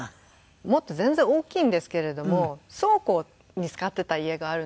もっと全然大きいんですけれども倉庫に使ってた家があるんですね。